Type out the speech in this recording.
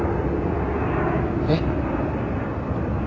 えっ？